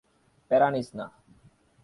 প্যারা নিস না।